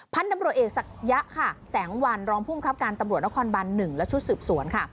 พันธุ์ตำรวจเอกสักยะแสงวันรองพุ่มครับการตำรวจนครบัน๑และชุดสืบสวน